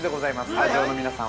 スタジオの皆さん